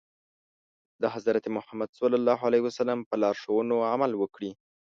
د حضرت محمد ص په لارښوونو عمل وکړي.